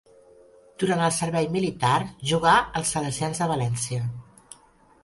Durant el servei militar jugà als Salesians de València.